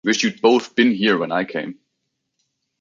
Wish you'd both been here when I came.